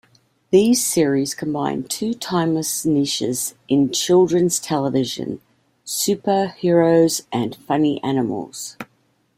These series combine two timeless niches in children's television: superheroes anfunny animals.